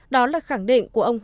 đó là khẳng định của ông nga